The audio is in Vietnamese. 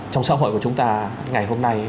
trong xã hội của chúng ta ngày hôm nay